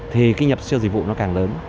thì cái nhập siêu dịch vụ nó càng lớn